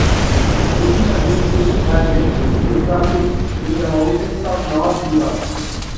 British administration had yet to be established in the mountains of north Iraq.